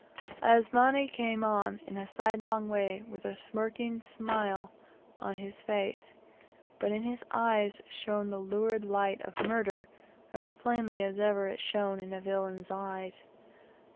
Asmani came on in a sidelong way with a smirking smile on his face, but in his eyes shone the lurid light of murder, as plainly as ever it shone in a villain's eyes.